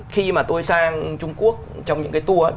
khi mà tôi sang trung quốc trong những cái tour